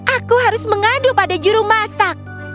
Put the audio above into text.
aku harus mengadu pada juru masak